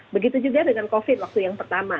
begitu juga dengan covid waktu yang pertama